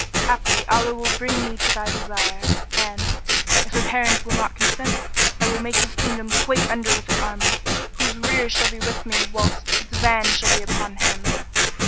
Haply Allah will bring thee to thy desire; and, if her parent will not consent, I will make his kingdom quake under him with an army, whose rear shall be with me whilst its van shall be upon him."